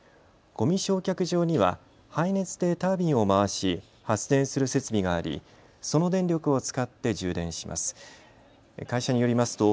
ごみ焼却場には廃熱でタービンを回し発電する設備がありその電力を使って充電します。